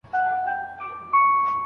د هلک او نجلۍ معلومات پټول ګناه ده.